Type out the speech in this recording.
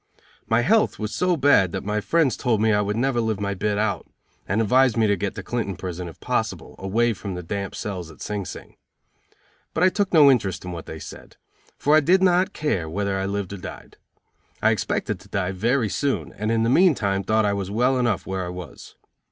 My health was so bad that my friends told me I would never live my bit out, and advised me to get to Clinton prison, if possible, away from the damp cells at Sing Sing. But I took no interest in what they said, for I did not care whether I lived or died. I expected to die very soon, and in the meantime thought I was well enough where I was.